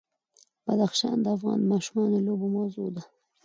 بدخشان د افغان ماشومانو د لوبو موضوع ده.